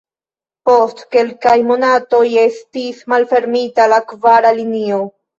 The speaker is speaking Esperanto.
Post kelkaj monatoj estis malfermita la kvara linio.